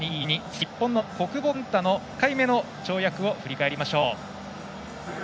日本の小久保寛太の１回目の跳躍を振り返りましょう。